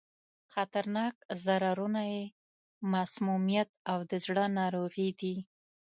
خطرناک ضررونه یې مسمومیت او د زړه ناروغي دي.